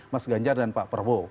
mas ganjar dan pak prabowo